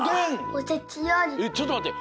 えちょっとまって。